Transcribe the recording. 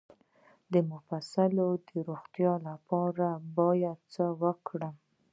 د مفصلونو د روغتیا لپاره باید څه وکړم؟